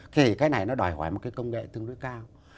thì cái này nó đòi hỏi một cái công nghệ tương đối cao